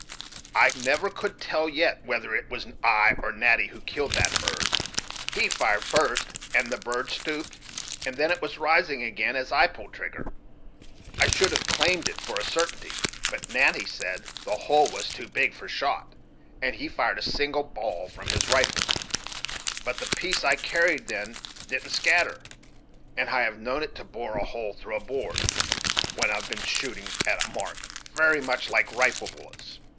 I never could tell yet whether it was I or Natty who killed that bird: he fired first, and the bird stooped, and then it was rising again as I pulled trigger. I should have claimed it for a certainty, but Natty said the hole was too big for shot, and he fired a single ball from his rifle; but the piece I carried then didn't scatter, and I have known it to bore a hole through a board, when I've been shooting at a mark, very much like rifle bullets.